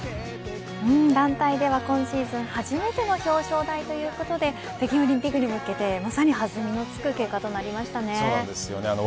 団体では今シーズン初めての表彰台ということで北京オリンピックに向けてまさに弾みのつく結果でしたね。